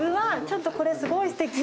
ちょっとこれすごいすてき！